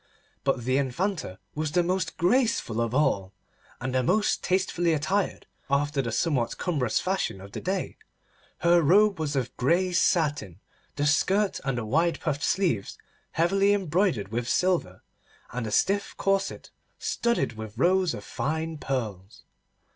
But the Infanta was the most graceful of all, and the most tastefully attired, after the somewhat cumbrous fashion of the day. Her robe was of grey satin, the skirt and the wide puffed sleeves heavily embroidered with silver, and the stiff corset studded with rows of fine pearls.